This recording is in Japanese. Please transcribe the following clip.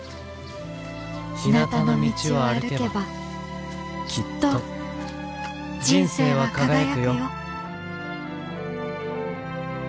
ひなたの道を歩けばきっと人生は輝くよ」。